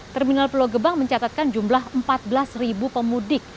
terminal pulau gebang mencatatkan jumlah empat belas pemudik